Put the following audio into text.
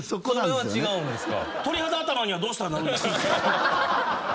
それは違うんですか。